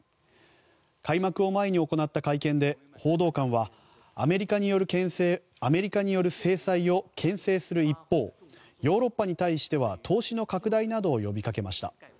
開幕を前に行った会見で報道官はアメリカによる制裁をけん制する一方ヨーロッパに対しては投資の拡大などを呼びかけました。